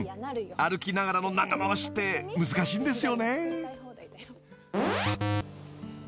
［歩きながらの長回しって難しいんですよね］